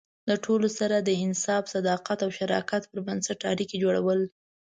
د ټولو سره د انصاف، صداقت او شراکت پر بنسټ اړیکې جوړول.